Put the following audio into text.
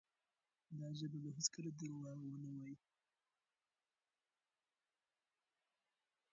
دا ژبه به هیڅکله درواغ ونه وایي.